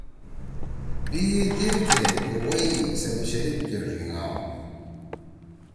بی ئی دیر کے کو وَئی سیدوشریف کے ڙھیِنگا